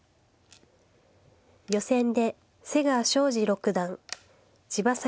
予選で瀬川晶司六段千葉幸